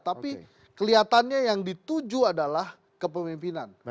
tapi kelihatannya yang dituju adalah kepemimpinan